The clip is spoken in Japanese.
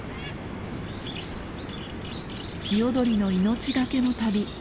ヒヨドリの命懸けの旅。